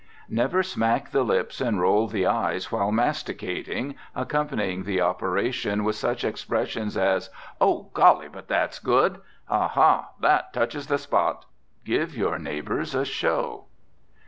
Never smack the lips and roll the eyes while masticating, accompanying the operation with such expressions as, "Oh, golly, but that's good!" "Aha, that touches the spot!" Give your neighbors a show.